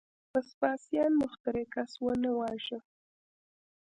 وسپاسیان مخترع کس ونه واژه.